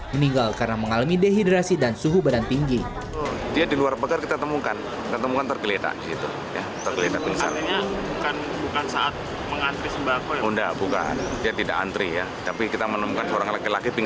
meninggal karena mengalami dehidrasi dan suhu badan tinggi